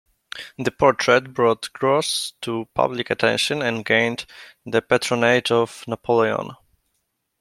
The portrait brought Gros to public attention and gained the patronage of Napoleon.